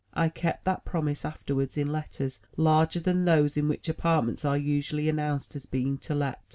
(I kept that promise after wards in letters larger than those in which apartments are usually announced as being to let.)